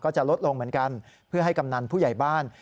จะลดลงเหมือนกันเพื่อให้กำนันผู้ใหญ่บ้าน